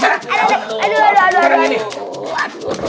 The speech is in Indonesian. aduh aduh aduh